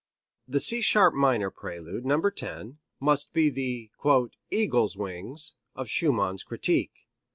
The C sharp minor prelude, No. 10, must be the "eagle wings" of Schumann's critique.